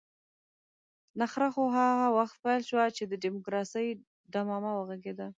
نخره خو هغه وخت پيل شوه چې د ډيموکراسۍ ډمامه وغږېده.